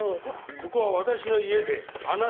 ここは私の家であなた。